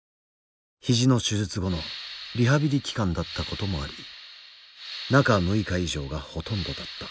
肘の手術後のリハビリ期間だったこともあり中６日以上がほとんどだった。